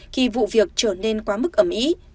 khi vụ việc trở nên quá mức ẩm ý